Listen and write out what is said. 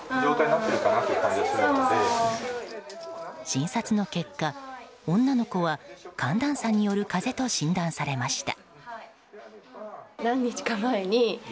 診察の結果、女の子は寒暖差による風邪と診断されました。